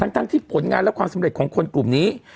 ทั้งที่ผลงานและความสำเร็จของคนกลุ่มนี้